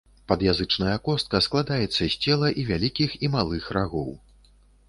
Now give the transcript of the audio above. Пад'язычная костка складаецца з цела і вялікіх і малых рагоў.